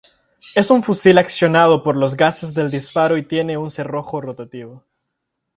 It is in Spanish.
Es un fusil accionado por los gases del disparo y tiene un cerrojo rotativo.